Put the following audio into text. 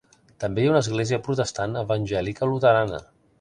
També hi ha una església protestant evangèlica luterana.